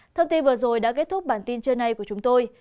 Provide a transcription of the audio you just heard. thông tin vừa rồi đã kết thúc bản tin trưa nay của chúng tôi